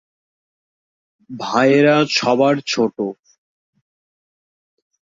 ভাইয়েরা সবার ছোট।